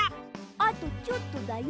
あとちょっとだよ。